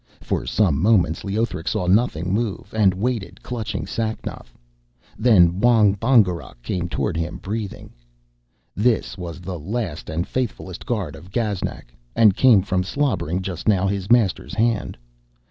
For some moments Leothric saw nothing move, and waited clutching Sacnoth. Then Wong Bongerok came towards him, breathing. This was the last and faithfullest guard of Gaznak, and came from slobbering just now his master's hand.